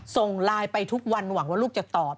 ส่งไลน์ไปทุกวันหวังว่าลูกจะตอบ